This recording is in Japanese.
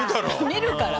見るから。